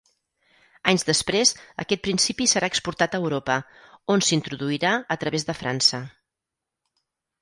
Anys després aquest principi serà exportat a Europa, on s'introduirà a través de França.